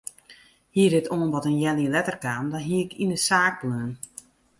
Hie dit oanbod in healjier letter kaam dan hie ik yn de saak bleaun.